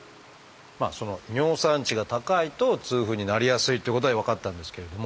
その尿酸値が高いと痛風になりやすいっていうことは分かったんですけれど